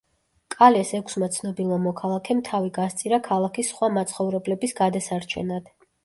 კალეს ექვსმა ცნობილმა მოქალაქემ თავი გასწირა ქალაქის სხვა მაცხოვრებლების გადასარჩენად.